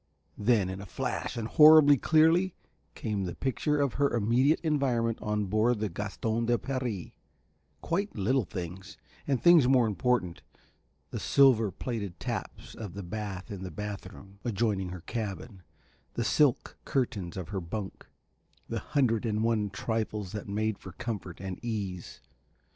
Then, in a flash and horribly clearly, came the picture of her immediate environment on board the Gaston de Paris, quite little things and things more important: the silver plated taps of the bath in the bath room, adjoining her cabin, the silk curtains of her bunk, the hundred and one trifles that made for comfort and ease.